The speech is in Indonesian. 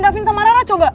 davin sama rara coba